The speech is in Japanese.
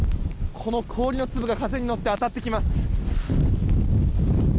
この氷の粒が風に乗って当たってきます。